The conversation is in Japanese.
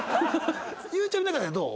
ゆうちゃみなんかはどう？